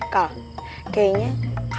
kal kayaknya kamu mau berusaha